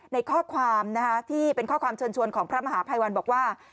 ในข้อความที่เป็นข้อความเชิญชวนของพระมหาภัยวันบอกว่า